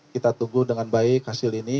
kita tunggu dengan baik hasil ini